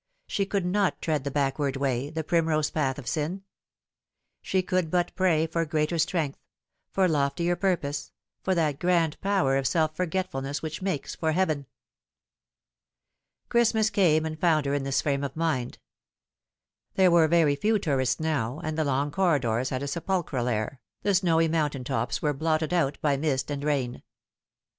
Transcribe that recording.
She could not tread the backward way, the primrose path of sin. She could but pray for greater strength, for loftier pur pose, for that grand power of self forgetfulness which makes for heaven. Christmas came and found her in this frame of mind. There were very few tourists now, and the long corridors had a sepul chral air, the snowy mountain tops were blotted out by mist and rain.